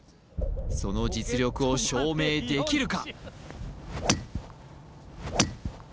その実力を証明できるか？